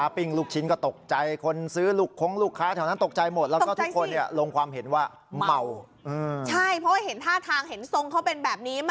โปรดติดตามตอนต่อไป